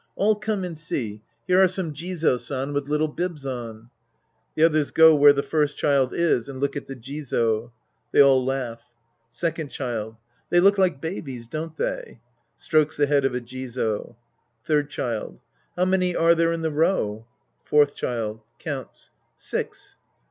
All come and see ; here are some Jizo San with little bibs on. {The others go where the First Child is and look at the Jizo. They all laugh.) Second Child. They look like babies, don't they? {Strokes the head of a Jizo.) Third Child. How many are there in the row ? Fourth Child {counts). Six.